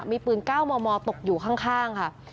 มีปืน๙มมตกอยู่ข้างค่ะ